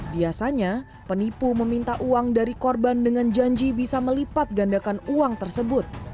biasanya penipu meminta uang dari korban dengan janji bisa melipat gandakan uang tersebut